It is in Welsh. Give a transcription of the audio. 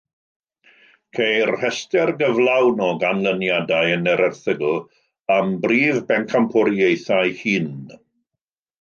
Ceir rhestr gyflawn o ganlyniadau yn yr erthygl am brif bencampwriaethau hŷn.